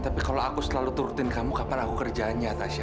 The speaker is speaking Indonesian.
tapi kalau aku selalu turutin kamu kapan aku kerjaannya tasya